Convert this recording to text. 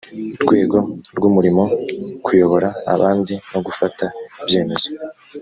rwego rw umurimo kuyobora abandi no gufata ibyemezo